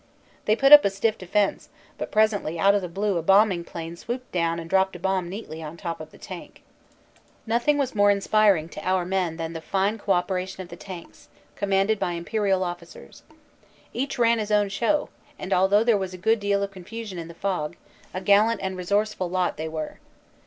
They put up a stiff defense, but presently out of the blue a bombing plane swooped down and dropped a bomb neatly on top of the tank. Nothing was more inspiring to our men than the fine co operation of the tanks, commanded by Imperial officers. Each ran his own show, and although there was a good deal of confusion in the fog, a gallant and resourceful lot they were.